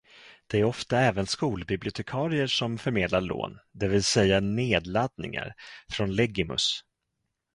Det är ofta även skolbibliotekarier som förmedlar lån, det vill säga nedladdningar, från Legimus.